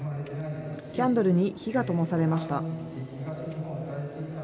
キャンドルに火がともされました。